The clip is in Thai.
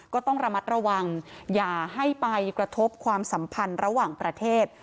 ก็ต้องระมัดระวังอย่าให้ไปกระทบความสัมพันธ์ระหว่างประเทศ